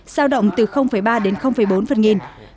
sao động từ ba đến bốn phần nghìn